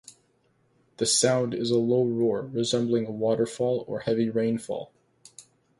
The sound is a low roar resembling a waterfall or heavy rainfall.